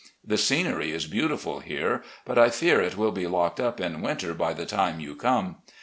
The scenery is beautiful here, but I fear it will be locked up in winter by the time you come.